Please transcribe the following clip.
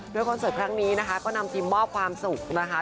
โดยคอนเสิร์ตครั้งนี้นะคะก็นำทีมมอบความสุขนะคะ